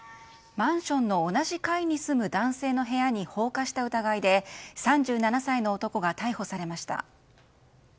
マンションの同じ階に住む男性の部屋に放火した疑いで３７歳の男が逮捕されました。